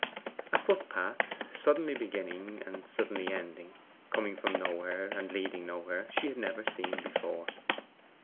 A footpath, suddenly beginning and suddenly ending, coming from nowhere and leading nowhere, she had never seen before.